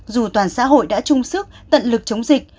dù toàn xã hội đã chung sức tận lực chống dịch